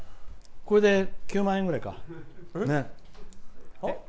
これで９万円ぐらいか。